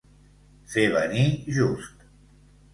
Fer venir just.